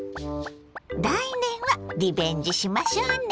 来年はリベンジしましょうね。